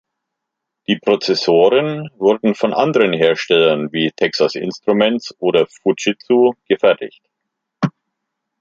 Die Prozessoren wurden von anderen Herstellern wie Texas Instruments oder Fujitsu gefertigt.